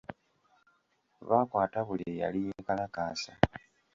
Baakwata buli eyali yeekalakaasa.